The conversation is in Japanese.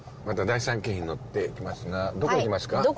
また第三京浜に乗って行きますがどこ行きますか？